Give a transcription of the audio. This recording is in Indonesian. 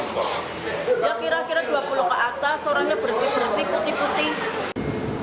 yang kira kira dua puluh ke atas orangnya bersih bersih putih putih